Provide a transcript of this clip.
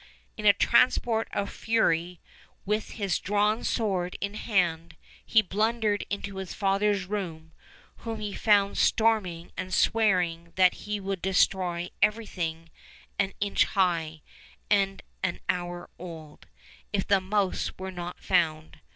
In a transport of fury, with his drav/n sword in his hand, he blundered into his father's room, whom he found storm ing and swearing that he would destroy everything an inch high, and an hour old, if the mouse were not found.